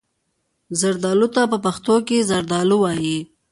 زردالو ته په پښتو کې زردالو وايي.